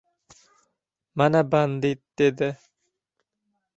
— Mana bandit! — dedi.